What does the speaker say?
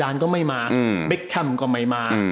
นับก็ได้